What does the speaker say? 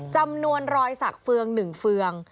จำนวนรอยสักเฟือง๑เฟือง